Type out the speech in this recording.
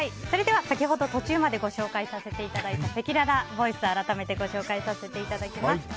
それでは先ほど途中までご紹介させていただいたせきららボイスを改めてご紹介させていただきます。